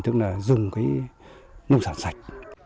tức là dùng cái nông sản sạch